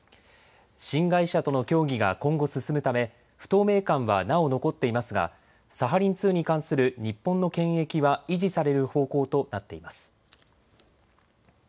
新会社との協議が今後、進むため不透明感はなお残っていますがサハリン２に関する日本の権益は維持される方向となっています。